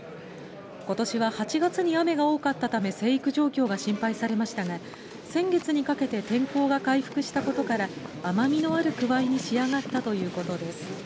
ことしは８月に雨が多かったため生育状況が心配されましたが先月にかけて天候が回復したことから甘みのあるくわいに仕上がったということです。